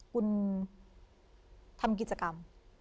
คุณทำกิจกรรม